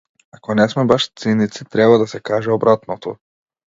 Ако не сме баш циници, треба да се каже обратното.